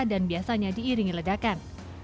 dan biasanya diiringi ledakan